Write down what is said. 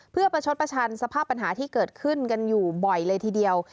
เพื่อประชดประชันสภาพปัญหาที่เกิดขึ้นกันอยู่บ่อยเลยทีเดียว